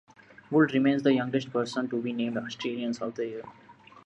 Gould remains the youngest person to be named Australian of the Year.